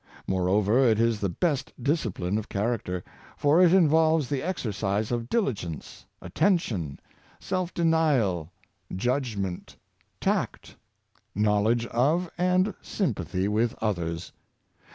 Moreover, it is the best discipline of character; for it involves the exercise of diligence, attention, self denial, judgment, tact, knowledge of and sympathy with others.